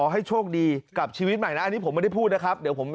ให้โชคดีกับชีวิตใหม่นะอันนี้ผมไม่ได้พูดนะครับเดี๋ยวผม